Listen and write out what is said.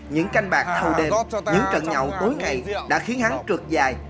những canh bạc thâu đêm những trận nhậu tối ngày đã khiến hắn trượt dài